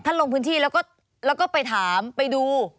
ลงพื้นที่แล้วก็ไปถามไปดู